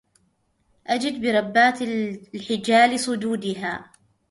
أجد بربات الحجال صدودها